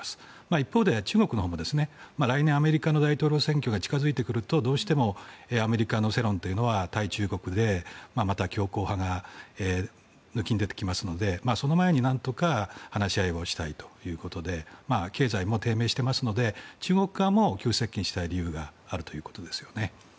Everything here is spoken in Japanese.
一方で、中国のほうも来年、アメリカの大統領選挙が近付いてくるとどうしてもアメリカの世論というのは対中国で、また強硬派が抜きん出てきますのでその前になんとか話し合いをしたいということで経済も低迷していますので中国側も急接近したい理由があるということですよね。